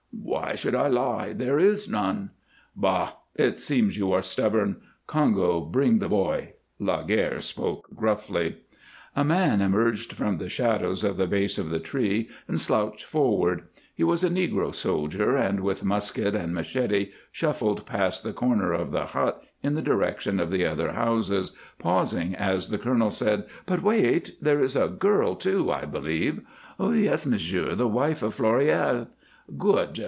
"Why should I lie? There is none." "Bah! It seems you are stubborn. Congo, bring the boy!" Laguerre spoke gruffly. A man emerged from the shadows at the base of the tree and slouched forward. He was a negro soldier, and, with musket and machete, shuffled past the corner of the hut in the direction of the other houses, pausing as the colonel said: "But wait! There is a girl, too, I believe." "Yes, monsieur. The wife of Floréal." "Good!